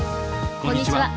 こんにちは。